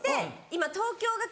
今。